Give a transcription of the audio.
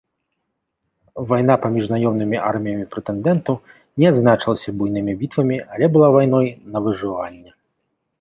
Вайна паміж наёмнымі арміямі прэтэндэнтаў не адзначылася буйнымі бітвамі, але была вайной на выжыванне.